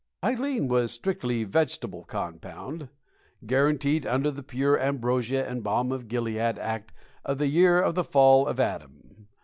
Ileen was a strictly vegetable compound, guaranteed under the Pure Ambrosia and Balm of Gilead Act of the year of the fall of Adam.